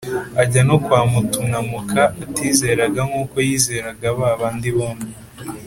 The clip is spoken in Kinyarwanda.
ajya no kwa mutunamuka atizeraga nk' uko yizeraga ba bandi bombi